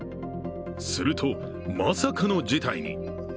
すると、まさかの事態に。